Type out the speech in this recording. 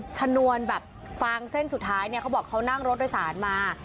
ไปเลยกงเงินเขาเขาเครียดมาก